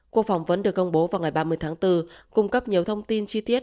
cuộc phỏng vấn được công bố vào ngày ba mươi tháng bốn cung cấp nhiều thông tin chi tiết